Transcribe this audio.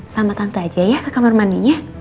sama tante aja ya ke kamar mandinya